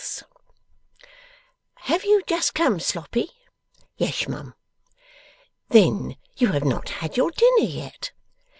'Have you just come, Sloppy?' 'Yes, mum.' 'Then you have not had your dinner yet?